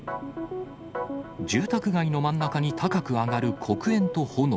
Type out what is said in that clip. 住宅街の真ん中に高く上がる黒煙と炎。